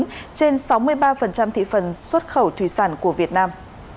trên sáu mươi ba thị phần xuất khẩu thủy sản của việt nam